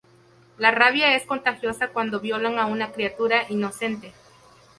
La rabia es contagiosa cuando violan a una criatura inocente.